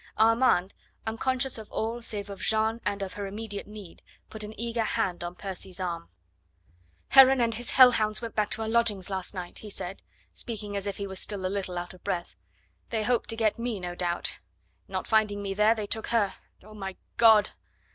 Armand, unconscious of all save of Jeanne and of her immediate need, put an eager hand on Percy's arm. "Heron and his hell hounds went back to her lodgings last night," he said, speaking as if he were still a little out of breath. "They hoped to get me, no doubt; not finding me there, they took her. Oh, my God!"